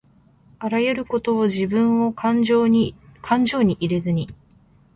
あらゆることをじぶんをかんじょうに入れずに